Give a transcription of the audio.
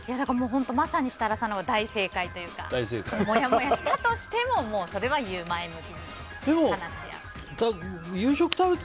本当に、まさに設楽さんのが大正解というかもやもやしたとしてもそれは前向きに言う。